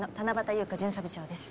夕夏巡査部長です。